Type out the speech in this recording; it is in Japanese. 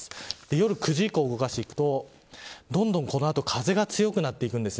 夜９時以降を動かしていくとどんどん、この後風が強くなっていくんです。